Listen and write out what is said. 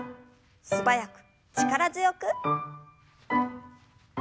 素早く力強く。